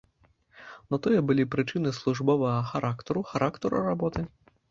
На тое былі прычыны службовага характару, характару работы.